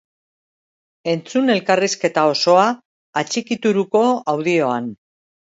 Entzun elkarrizketa osoa atxikituruko audioan!